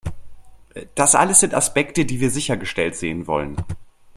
Das alles sind Aspekte, die wir sichergestellt sehen wollen.